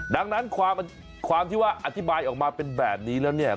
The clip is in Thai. ดังนั้นความที่ว่าอธิบายออกมาเป็นแบบนี้แล้วเนี่ย